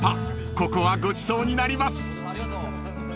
ここはごちそうになります］